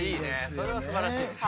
それはすばらしい。